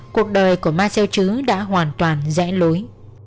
cuộc đời của marcel trứ đã hoàn toàn rẽ lối